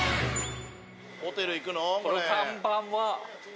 ホテル行くの？